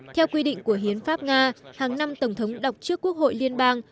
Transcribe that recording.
theo quy định của hiến pháp nga hàng năm tổng thống đọc trước quốc hội liên bang